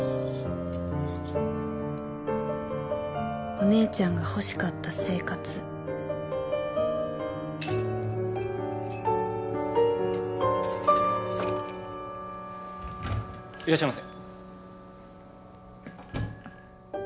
お姉ちゃんが欲しかった生活いらっしゃいませ。